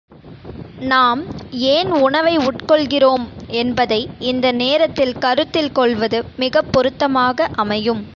நாம் ஏன் உணவை உட்கொள்ளுகிறோம் என்பதை இந்த நேரத்தில் கருத்தில் கொள்வது மிகப் பொருத்தமாக அமையும்.